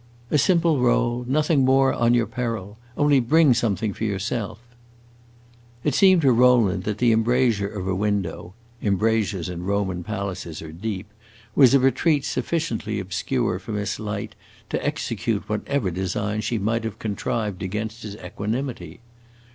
"A simple roll. Nothing more, on your peril. Only bring something for yourself." It seemed to Rowland that the embrasure of a window (embrasures in Roman palaces are deep) was a retreat sufficiently obscure for Miss Light to execute whatever design she might have contrived against his equanimity.